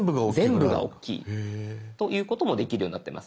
全部がおっきい。ということもできるようになってます。